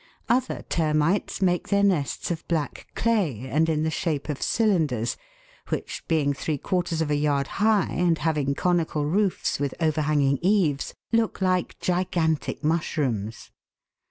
Other termites make their nests of black clay, and in the shape of cylinders, which, being three quarters of a yard high, and having conical roofs with overhanging eaves, look like gigantic mushrooms.